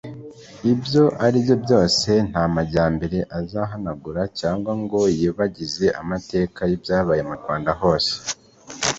Ibyo ari byo byose nta majyambere azahanagura cyangwa ngo yibagize amateka y’ibyabaye mu Rwanda hose